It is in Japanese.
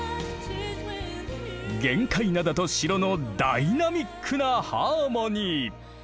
玄界灘と城のダイナミックなハーモニー。